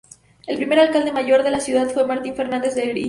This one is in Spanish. El primer alcalde mayor de la ciudad fue Martín Fernández de Enciso.